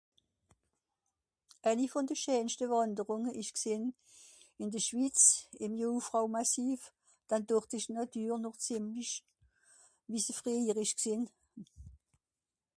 ääni vùn de scheenschte Wànderùnge ìsch gsìnn, ìn de Schwitz, ìm Jungfrau Massif, dann dort ìsch d'Nàtür noch zìemlich, wie se frìhjer ìsch gsìnn.